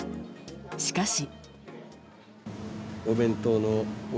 しかし。